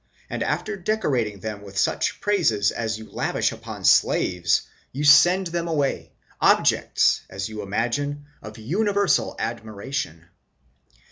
and after decorating them with such praises as you Y lavish upon slaves, you send them away, objects, as you imagine, of universal admiration.